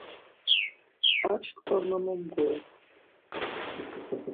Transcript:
Açkva ma mo mgorum.